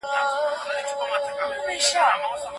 د غوږونو ساتنه څنګه کوو؟